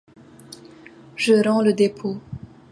Je rends le dépôt.